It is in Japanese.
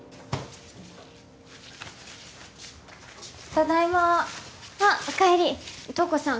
ただいまあおかえり瞳子さん